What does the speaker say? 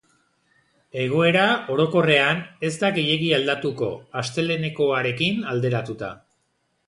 Egoera, orokorrean, ez da gehiegi aldatuko, astelehenekoarekin alderatuta.